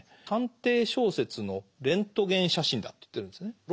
「探偵小説のレントゲン写真だ」と言ってるんですね。